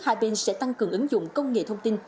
hai bên sẽ tăng cường ứng dụng công nghệ thông tin